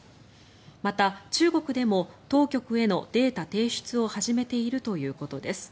また、中国でも当局へのデータ提出を始めているということです。